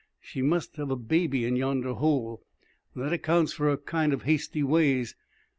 "She must hev' a baby in yonder hole. That accounts fer her kind of hasty ways.